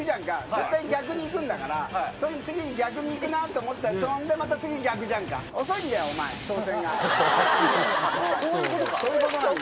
絶対逆に行くんだから、その次に逆に行くなと思ったら、そんでまた次、逆じゃんか、こういうことか。